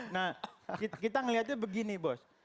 nah kita melihatnya begini bos